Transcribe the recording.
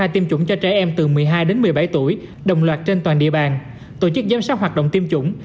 một mươi hai một mươi bảy tuổi đồng loạt trên toàn địa bàn tổ chức giám sát hoạt động tiêm chủng